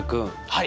はい。